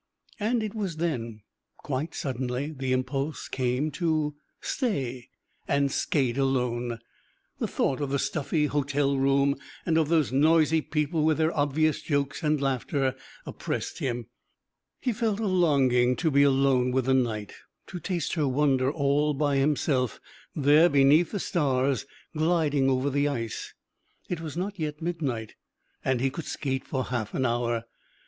And it was then, quite suddenly, the impulse came to stay and skate alone. The thought of the stuffy hotel room, and of those noisy people with their obvious jokes and laughter, oppressed him. He felt a longing to be alone with the night; to taste her wonder all by himself there beneath the stars, gliding over the ice. It was not yet midnight, and he could skate for half an hour.